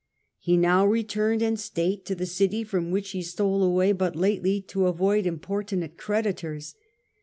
He now returned in state to the city from which he stole away but lately to avoid importunate creditors.